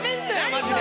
マジで。